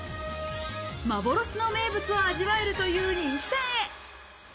幻の名物を味わえるという人気店へ。